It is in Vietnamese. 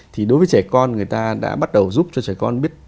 thì đối với trẻ con người ta đã bắt đầu giúp cho trẻ con biết